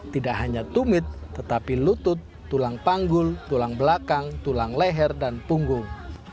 tidak hanya tumit tetapi lutut tulang panggul tulang belakang tulang leher dan punggung